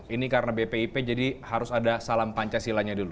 ini karena bpip jadi harus ada salam pancasilanya dulu